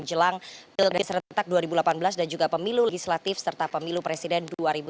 jelang pilkada serentak dua ribu delapan belas dan juga pemilu legislatif serta pemilu presiden dua ribu sembilan belas